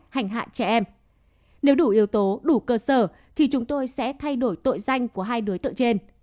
hành hạn trẻ em nếu đủ yếu tố đủ cơ sở thì chúng tôi sẽ thay đổi tội danh của hai đối tượng trên